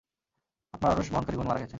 আপনার আরশ বহনকারিগণ মারা গেছেন।